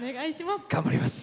頑張ります！